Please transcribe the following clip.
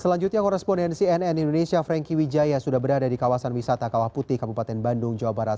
selanjutnya korespondensi nn indonesia franky wijaya sudah berada di kawasan wisata kawah putih kabupaten bandung jawa barat